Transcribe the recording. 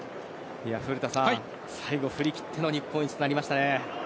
古田さん、最後振り切っての日本一となりましたね。